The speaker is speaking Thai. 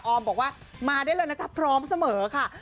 ออมบอกว่ามาได้เลยนะจ๊ะพร้อมเสมอค่ะ